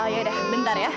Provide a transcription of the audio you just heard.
oh yaudah bentar ya